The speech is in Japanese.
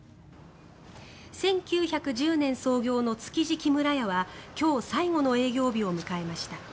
１９１０年創業の築地木村屋は今日、最後の営業日を迎えました。